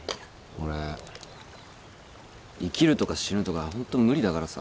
俺生きるとか死ぬとかホント無理だからさ。